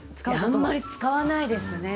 あまり使わないですね。